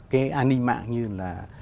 cái an ninh mạng như là